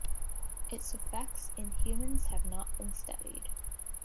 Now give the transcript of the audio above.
Its effects in humans have not been studied.